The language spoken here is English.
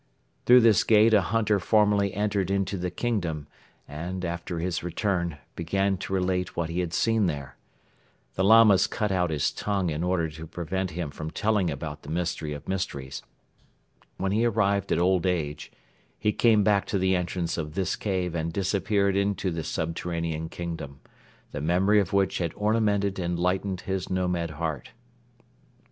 Through this gate a hunter formerly entered into the Kingdom and, after his return, began to relate what he had seen there. The Lamas cut out his tongue in order to prevent him from telling about the Mystery of Mysteries. When he arrived at old age, he came back to the entrance of this cave and disappeared into the subterranean kingdom, the memory of which had ornamented and lightened his nomad heart.